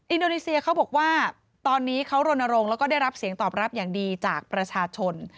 อินโดนีเซียเขาบอกว่าตอนนี้เขารณรงค์แล้วก็ได้รับเสียงตอบรับอย่างดีจากประชาชน